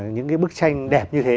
những bức tranh đẹp như thế